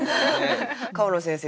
川野先生